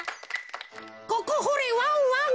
「ここほれワンワン」。